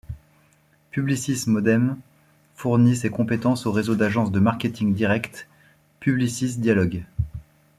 Publicis Modem fournit ses compétences au réseau d'agence de marketing direct Publicis Dialog.